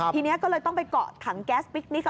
ทีนี้ก็เลยต้องไปเกาะถังแก๊สพิคนิค